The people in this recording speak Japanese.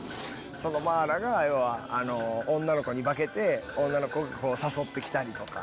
そのマーラが要は女の子に化けて女の子が誘ってきたりとか。